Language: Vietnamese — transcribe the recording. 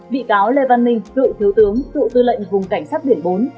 vị cáo lê văn minh cựu thiếu tướng cựu tư lệnh vùng cảnh sát biển bốn